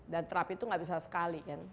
dan terapi itu gak bisa sekali kan